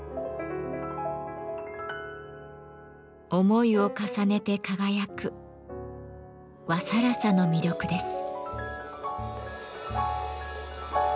思いを重ねて輝く和更紗の魅力です。